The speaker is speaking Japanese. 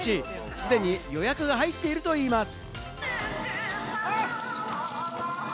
既に予約が入っているといいます。